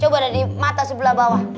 coba tadi mata sebelah bawah